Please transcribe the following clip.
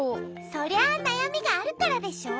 そりゃあなやみがあるからでしょ？